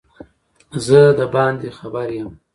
زه دباندي خبر یم